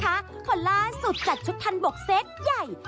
เพราะล่าสุดจัดชุดทันบกเซ็ตใหญ่